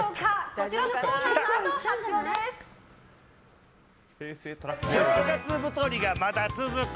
こちらのコーナーのあと正月太りがまだ続く。